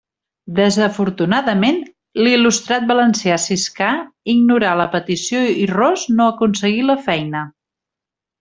Desafortunadament, l'il·lustrat valencià Siscar ignorà la petició i Ros no aconseguí la feina.